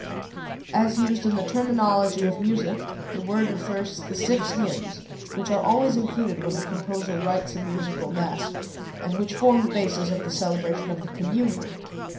As used in the terminology of music the word refers to the six hymns which are always included when a composer writes a musical mass, and which form the basis of the celebration of the Communion.